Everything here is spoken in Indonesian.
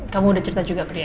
kamu udah cerita juga ke dia